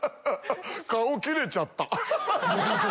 顔切れちゃった。